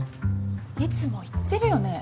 いつも言ってるよね？